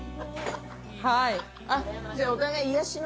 はい。